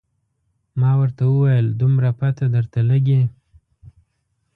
ما ورته وویل دومره پته درته لګي.